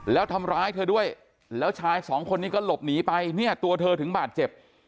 แล้วทำร้ายเธอด้วยแล้วชายสองคนนี้ก็หลบหนีไปเนี่ยตัวเธอถึงบาดเจ็บ